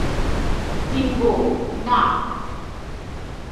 Jimbo, না!